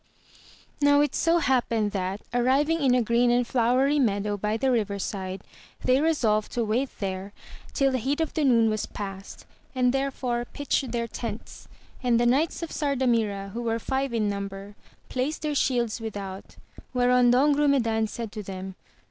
Now it so happened that, arriving in a green and flowery meadow by the river side, they resolved to wait there till the heat of the noon was past, and therefore pitched their tents ; and the knights of Sar damira, who were five in number, placed their shields without ; whereon Don Grumedan said to them.